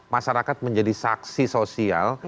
masyarakat menjadi saksi sosial